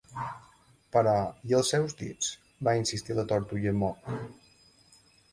"Però i els seus dits?" va insistir la tortuga Mock.